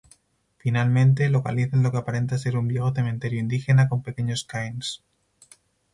Finalmente, localizan lo que aparenta ser un viejo cementerio indígena con pequeños cairns.